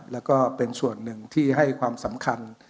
แล้วก็เป็นส่วนหนึ่งที่ให้ความสำคัญ